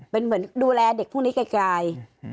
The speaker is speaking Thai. เป็นเหมือนดูแลเด็กพวกนี้ไกล